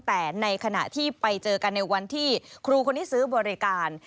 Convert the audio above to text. แต่ในขณะที่ไปเจอกันในวันที่ครูคนนี้ซื้อบริการ